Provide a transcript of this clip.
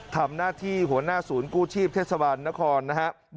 ทำหน้าที่หัวหน้าศูนย์กู้ชีพเทศบาลนครนะครับ